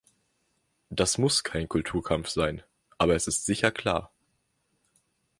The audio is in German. Das muss kein Kulturkampf sein, aber es ist sicher klar.